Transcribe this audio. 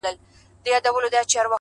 بېزاره به سي خود يـــاره له جنگه ككـرۍ;